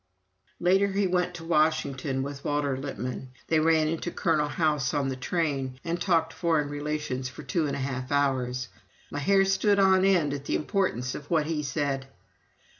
Later he went to Washington with Walter Lippmann. They ran into Colonel House on the train, and talked foreign relations for two and a half hours. "My hair stood on end at the importance of what he said."